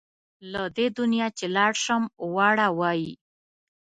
له دې دنیا چې لاړ شم واړه وايي.